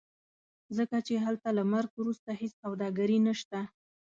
ځکه چې هلته له مرګ وروسته هېڅ سوداګري نشته.